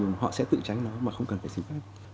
nhưng họ sẽ tự tránh nó mà không cần phải xử pháp